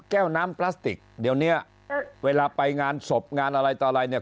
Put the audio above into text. แก้วน้ำพลาสติกเดี๋ยวเนี้ยเวลาไปงานศพงานอะไรต่ออะไรเนี่ย